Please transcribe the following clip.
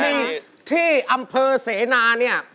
ท่าที่อำเภอเสนานี่